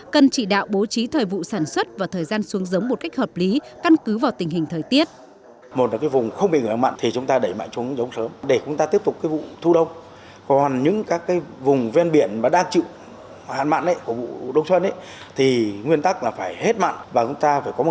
cần chỉ đạo bố trí thời vụ sản xuất và thời gian xuống giống một cách hợp lý căn cứ vào tình hình thời tiết